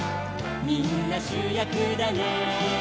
「みんなしゅやくだね」